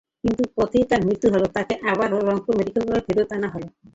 কিন্তু পথেই তাঁর মৃত্যু হলে তাঁকে আবারও রংপুর মেডিকেলে ফেরত আনা হয়।